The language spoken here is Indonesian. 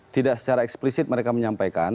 tidak secara eksplisit mereka menyampaikan